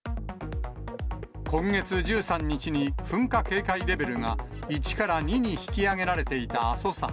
今月１３日に噴火警戒レベルが１から２に引き上げられていた阿蘇山。